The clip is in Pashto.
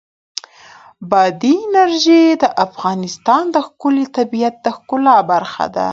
بادي انرژي د افغانستان د ښکلي طبیعت د ښکلا برخه ده.